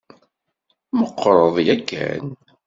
Meqqreḍ yakan.